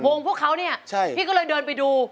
พวกเขาเนี่ยพี่ก็เลยเดินไปดู